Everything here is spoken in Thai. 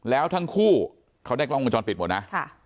แล้วทั้งคู่เขาได้กล้องวงจรปิดหมดนะ